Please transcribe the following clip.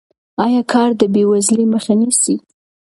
آیا کار د بې وزلۍ مخه نیسي؟